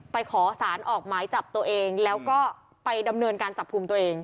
ขอสารออกหมายจับตัวเองแล้วก็ไปดำเนินการจับกลุ่มตัวเอง